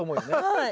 はい。